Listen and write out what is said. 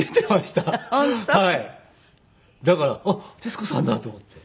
だからあっ徹子さんだ！と思って。